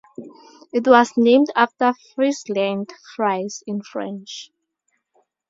It was named after Friesland: "Frise" in French.